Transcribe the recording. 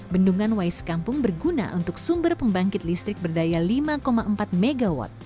bendungan wais kampung berguna untuk sumber pembangkit listrik berdaya lima empat mw